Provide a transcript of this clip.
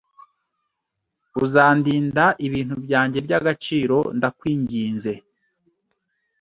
Uzandinda ibintu byanjye by'agaciro, ndakwinginze?